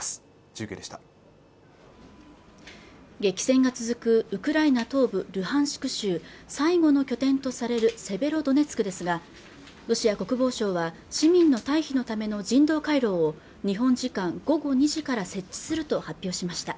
中継でした激戦が続くウクライナ東部ルハンシク州最後の拠点とされるセベロドネツクですがロシア国防省は市民の退避のための人道回廊を日本時間午後２時から設置すると発表しました